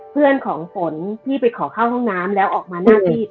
เพื่อนของฝนที่ไปขอเข้าห้องน้ำแล้วออกมาหน้าที่